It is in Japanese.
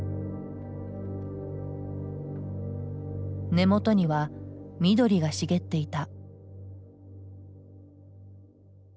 根元には緑が茂っていた。